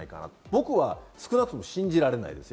僕は少なくとも、信じられないです。